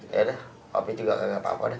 yaudah kopi juga nggak apa apa deh